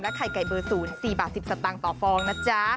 ไข่ไก่เบอร์๐๔บาท๑๐สตางค์ต่อฟองนะจ๊ะ